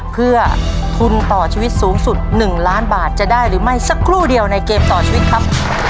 เพื่อทุนต่อชีวิตสูงสุด๑ล้านบาทจะได้หรือไม่สักครู่เดียวในเกมต่อชีวิตครับ